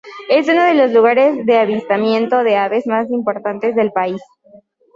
Es uno de los lugares de avistamiento de aves más importantes del país.